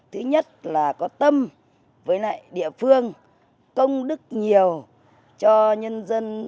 thứ nhất là có tâm với lại địa phương công đức nhiều cho nhân dân